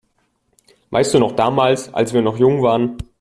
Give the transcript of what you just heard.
Weißt du noch damals, als wir noch jung waren?